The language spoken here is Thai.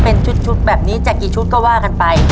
เป็นชุดแบบนี้จะกี่ชุดก็ว่ากันไป